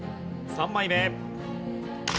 ３枚目。